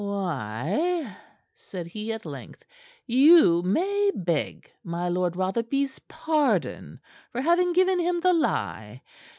"Why," said he, at length, "you may beg my Lord Rotherby's pardon for having given him the lie.